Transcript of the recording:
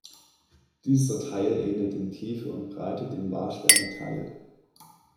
Dieser Teil ähnelt in Tiefe und Breite dem Warsteiner Teil.